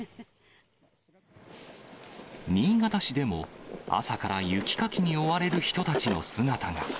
新潟市でも、朝から雪かきに追われる人たちの姿が。